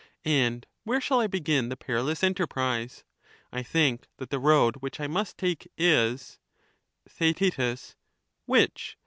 And where shall I begin the perilous enterprise ? I think that the road which I must take is — Theaet Which